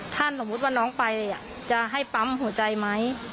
ถ้าสมมุติว่าน้องไปจะให้ปั๊มหัวใจไหม